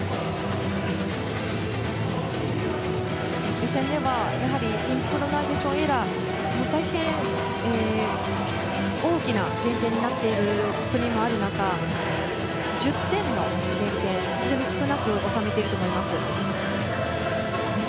予選ではシンクロナイゼーションエラーが大変大きな減点になっている国もある中１０点の減点、非常に少なく収めていると思います。